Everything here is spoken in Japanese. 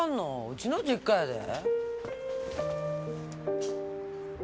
ウチの実家やで。